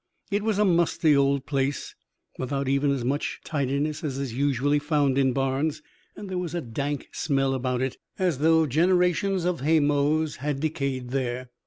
It was a musty old place, without even as much tidiness as is usually found in barns, and there was a dank smell about it, as though generations of haymows had decayed there.